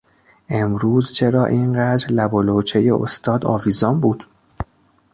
امروز چرا این قدر لب و لوچهی استاد آویزان بود؟